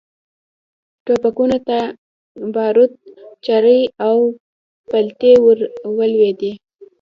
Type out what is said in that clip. ټوپکونو ته باروت، چرې او پلتې ور ولوېدې.